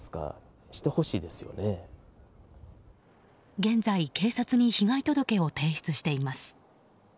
現在、警察に被害届を提出しています。